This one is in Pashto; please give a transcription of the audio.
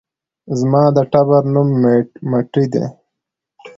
زما د ټبر نوم ميټى دى